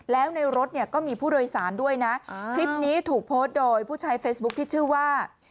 แล้วในรถเนี่ยก็มีผู้โดยสารด้วยนะคลิปนี้ถูกโพสต์โดยผู้ใช้เฟซบุ๊คที่ชื่อว่า